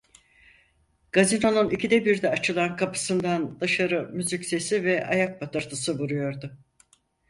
Gazinonun ikide birde açılan kapısından dışarı müzik sesi ve ayak patırtısı vuruyordu.